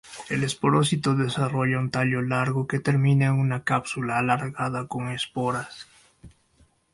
El esporófito desarrolla un tallo largo que termina en una cápsula alargada con esporas.